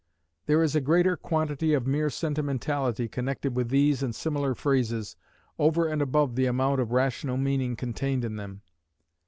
There is a great quantity of mere sentimentality connected with these and similar phrases, over and above the amount of rational meaning contained in them.